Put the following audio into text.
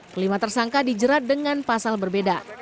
kelima tersangka dijerat dengan pasal berbeda